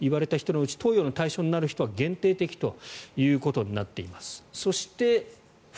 認知障害ですよと言われた人の中で投与の対象になるのは限定的ということになっています。